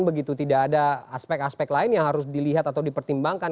begitu tidak ada aspek aspek lain yang harus dilihat atau dipertimbangkan